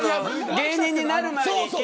芸人になる前に。